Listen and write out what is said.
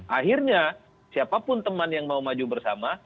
akhirnya siapapun teman yang mau maju bersama